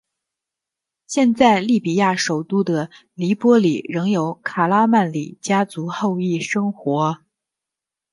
现在利比亚首都的黎波里仍有卡拉曼里家族后裔生活。